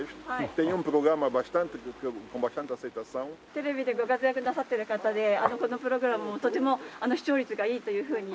テレビでご活躍なさってる方でこのプログラムもとても視聴率がいいというふうに。